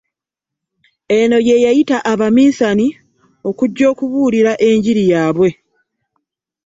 Eno y'eyayita abaminsani okujja okubuulira enjiri yaabwe